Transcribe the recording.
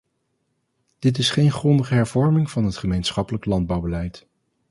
Dit is geen grondige hervorming van het gemeenschappelijk landbouwbeleid.